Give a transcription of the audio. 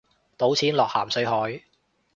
倒錢落咸水海